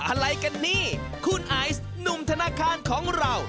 อะไรกันนี่คุณไอซ์หนุ่มธนาคารของเรา